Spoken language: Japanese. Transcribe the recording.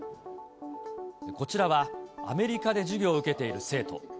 こちらは、アメリカで授業を受けている生徒。